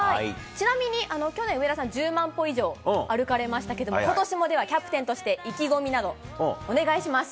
ちなみに、去年、上田さん１０万歩以上歩かれましたけれども、ことし、キャプテンをして意気込みなどお願いします。